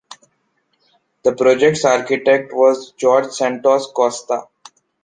The project’s architect was Jorge Santos Costa.